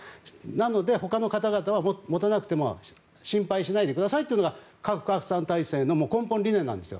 なので他の方々は持たなくても心配しないでくださいというのが核不拡散体制の根本理念なんです。